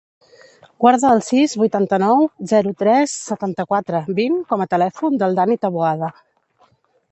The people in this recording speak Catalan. Guarda el sis, vuitanta-nou, zero, tres, setanta-quatre, vint com a telèfon del Dani Taboada.